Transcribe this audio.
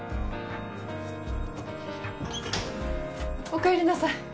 おかえりなさい。